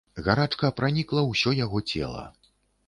Гарачка пранікла ўсё яго цела.